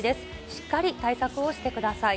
しっかり対策をしてください。